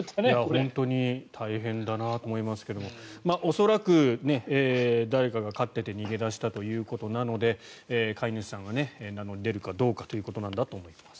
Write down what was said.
本当に大変だなと思いますけど恐らく、誰かが飼っていて逃げ出したということなので飼い主さんが名乗り出るかどうかということだと思います。